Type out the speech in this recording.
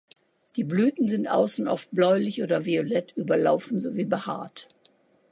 Die Blüten sind außen oft bläulich oder violett überlaufen sowie behaart.